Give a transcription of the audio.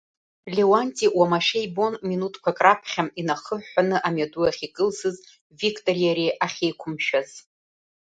Леуанти уамашәа ибон минуҭқәак раԥхьа инахынҳәны амҩаду ахь икылсыз Виктори иареи ахьеиқәымшәаз.